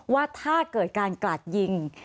ว่าถ้าเกิดการกราดยิง